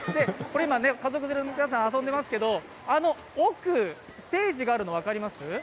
今、家族連れの皆さん遊んでいますけれども、あの奥、ステージがあるのが分かりますか？